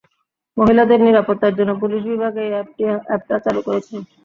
মহিলাদের নিরাপত্তার জন্য পুলিশ বিভাগ এই অ্যাপটা চালু করেছে।